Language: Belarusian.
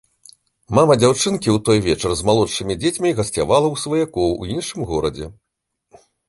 Мамы дзяўчынкі ў той вечар з малодшымі дзецьмі гасцявала ў сваякоў у іншым горадзе.